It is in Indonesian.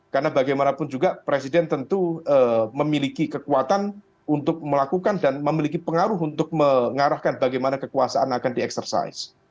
karena bagaimanapun juga presiden tentu memiliki kekuatan untuk melakukan dan memiliki pengaruh untuk mengarahkan bagaimana kekuasaan akan dieksersais